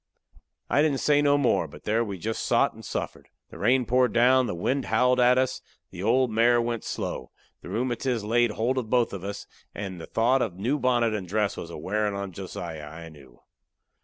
I didn't say no more, but there we jest sot and suffered. The rain poured down; the wind howled at us; the old mare went slow; the rheumatiz laid holt of both of us; and the thought of the new bonnet and dress was a wearin' on Josiah, I knew.